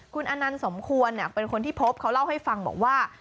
คุณอนันต์สมควรเป็นคนที่พบเขาเล่าให้ฟังบอกว่า